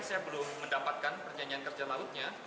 saya belum mendapatkan perjanjian kerja lautnya